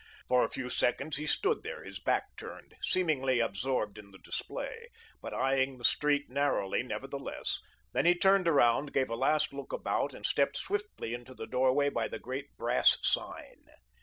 For a few seconds he stood there, his back turned, seemingly absorbed in the display, but eyeing the street narrowly nevertheless; then he turned around, gave a last look about and stepped swiftly into the doorway by the great brass sign.